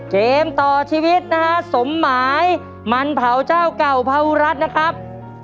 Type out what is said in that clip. เกมต่อชีวิตนะฮะสมหมายมันเผาเจ้าเก่าภาวรัฐนะครับ